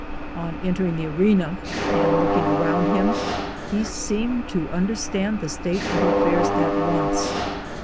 On entering the arena, and looking around him, he seemed to understand the state of affairs at once.